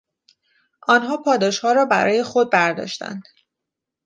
آنها پاداشها را برای خود برداشتند.